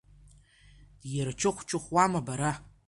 Дирчыхәчыхәуама, бара?